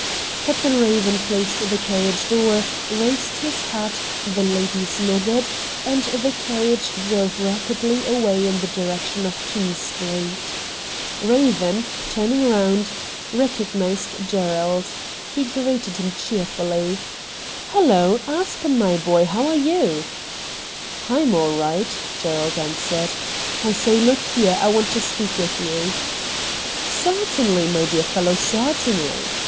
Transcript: Captain Eaven closed the carriage door, raised his hat, the ladies nodded and the carriage drove rapidly away in the direction of King Street. Eaven, turning round, recog G 2 84 RED DIAMONDS nised Gerald. He greeted him cheerfully. ' Hullo I Aspen, my boy, how are you ?'' I'm all right,' Gerald answered. ' I say, look here — I want to speak with you.' ' Certainly, my dear fellow, certainly.